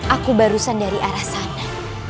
aku barusan dari arah sana